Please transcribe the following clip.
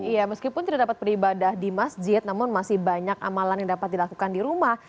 iya meskipun tidak dapat beribadah di masjid namun masih banyak amalan yang dapat dilakukan di rumah